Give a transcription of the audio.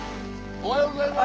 おはようございます。